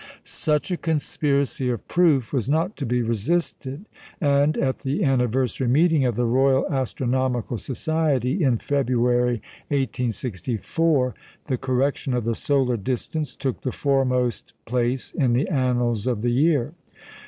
Such a conspiracy of proof was not to be resisted, and at the anniversary meeting of the Royal Astronomical Society in February, 1864, the correction of the solar distance took the foremost place in the annals of the year.